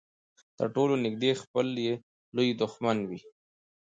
تر ټولو نږدې خپل يې لوی دښمن وي.